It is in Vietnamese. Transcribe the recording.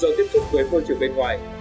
do tiếp xúc với môi trường bên ngoài